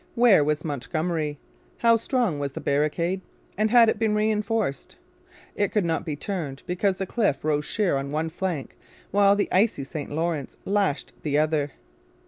Where was Montgomery? How strong was the barricade; and had it been reinforced? It could not be turned because the cliff rose sheer on one flank while the icy St Lawrence lashed the other.